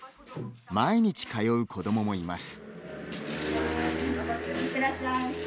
毎日通う、子どももいます。